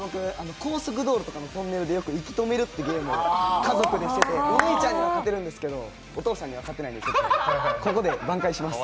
高速道路のトンネルとかで息止めるってゲームを家族としてまして、お兄ちゃんには勝てるんですけど、お父さんには勝てないのでここで挽回します。